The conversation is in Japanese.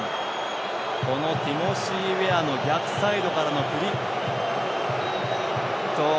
このティモシー・ウェアの逆サイドからの振り。